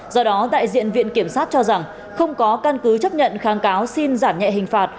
do đó đại diện viện kiểm sát cho rằng không có căn cứ chấp nhận kháng cáo xin giảm nhẹ hình phạt